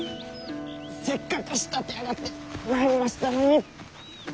せっかく仕立て上がってまいりましたのに！